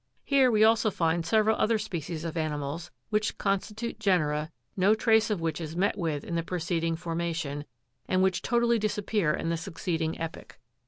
Here we also find several other species of animals, which constitute genera, no trace of which is met with in the preceding formation, and which totally disappear in the suc ceeding epoch.